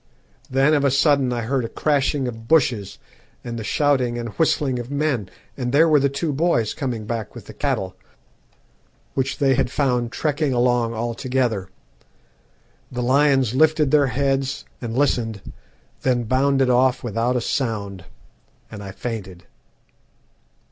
"Then of a sudden I heard a crashing of bushes and the shouting and whistling of men, and there were the two boys coming back with the cattle, which they had found trekking along all together. The lions lifted their heads and listened, then bounded off without a sound and I fainted.